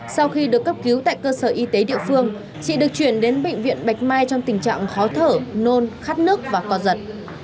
sau khi được cấp cứu tại cơ sở y tế địa phương chị được chuyển đến bệnh viện bạch mai trong tình trạng khó thở nôn khát nước và co giật